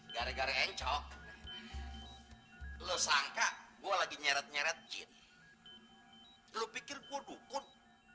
gara gara enco lo sangka gua lagi nyeret nyeret jin lu pikir kode